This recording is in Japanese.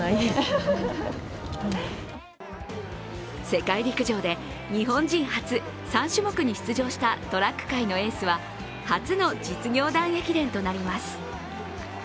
世界陸上で日本人初、３種目に出場したトラック界のエースは初の実業団駅伝となります。